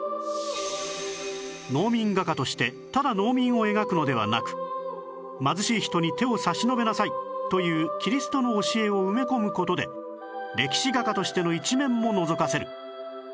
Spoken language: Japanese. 農民画家としてただ農民を描くのではなく貧しい人に手を差し伸べなさいというキリストの教えを埋め込む事で歴史画家としての一面ものぞかせる